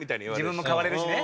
自分も変われるしね。